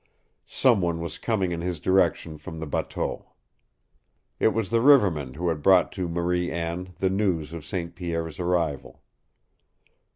Some one was coming in his direction from the bateau. It was the riverman who had brought to Marie Anne the news of St. Pierre's arrival.